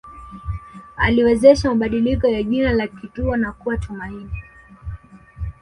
Aliwezesha mabadiliko ya jina la kituo na kuwa Tumaini